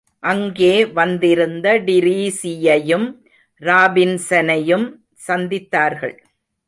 அங்கே வந்திருந்த டிரீஸியையும் ராபின்ஸனையும் சந்தித்தார்கள்.